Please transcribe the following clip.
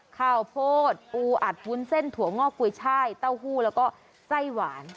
ข้าวโพดปูอัดวุ้นเส้นถั่วงอกกุยช่ายเต้าหู้แล้วก็ไส้หวาน